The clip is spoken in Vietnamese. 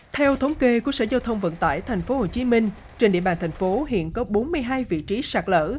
theo thống kê của sở giao thông vận tải tp hcm trên địa bàn thành phố hiện có bốn mươi hai vị trí sạt lở